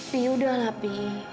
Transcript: pi udahlah pi